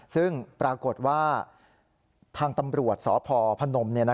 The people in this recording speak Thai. ซึ่งปรากฏว่าทางตำรวจสพพนม